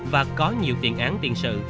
và có nhiều tiền án tiện sự